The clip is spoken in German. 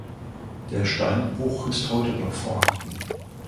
Der Steinbruch ist heute noch vorhanden.